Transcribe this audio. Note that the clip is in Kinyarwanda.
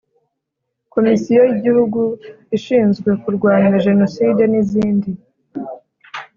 Komisiyo y’igihugu ishinzwe kurwanya jenoside n’izindi